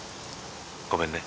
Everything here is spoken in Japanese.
ごめんね。